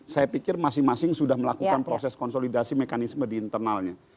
saya pikir masing masing sudah melakukan proses konsolidasi mekanisme di internalnya